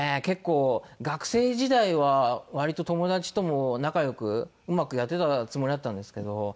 結構学生時代は割と友達とも仲良くうまくやってたつもりだったんですけど。